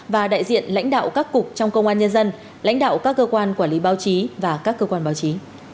và đại diện lãnh đạo các cục trong công an nhân dân lãnh đạo các cơ quan quản lý báo chí và các cơ quan báo chí